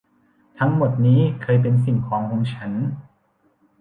ทั้งหมดนี้เคยเป็นสิ่งของของฉัน